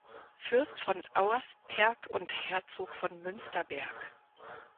Fürst von Auersperg und Herzog von Münsterberg.